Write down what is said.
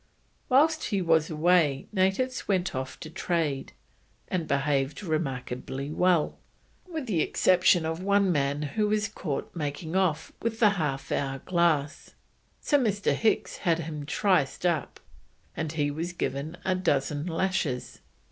Whilst he was away natives went off to trade and behaved remarkably well, with the exception of one man who was caught making off with the half hour glass, so Mr. Hicks had him triced up, and he was given a dozen lashes.